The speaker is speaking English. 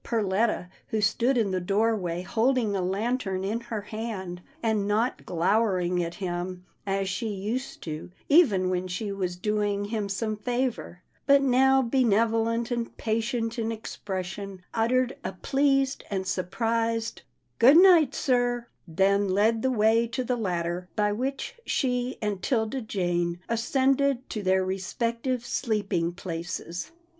Perletta, who stood in the doorway holding a lantern in her hand, and not glowering at him, as she used to, even when she was doing him some 278 PERLETTA PUZZLES HER FRIENDS 279 favour, but now benevolent and patient in expres sion, uttered a pleased and surprised, " Good night, sir," then led the way to the ladder by which she and 'Tilda Jane ascended to their respective sleep ing places.